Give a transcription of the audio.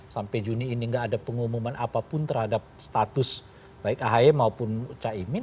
sampai juni ini gak ada pengumuman apapun terhadap status baik ahy maupun cak imin